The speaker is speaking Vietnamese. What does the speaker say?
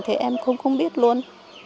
thì em cũng không biết luôn